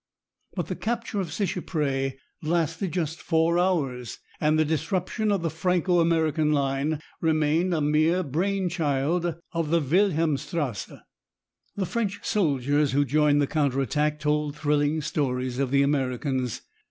But the capture of Seicheprey lasted just four hours, and the disruption of the Franco American line remained a mere brain child of the Wilhelmstrasse. The French soldiers who joined the counter attack told thrilling stories of the Americans.